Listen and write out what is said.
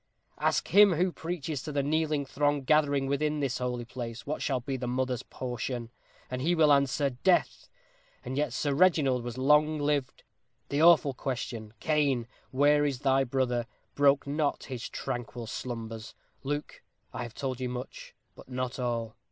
ha, ha! Ask him who preaches to the kneeling throng gathering within this holy place what shall be the murderer's portion and he will answer Death! And yet Sir Reginald was long lived. The awful question, 'Cain, where is thy brother?' broke not his tranquil slumbers. Luke, I have told you much but not all.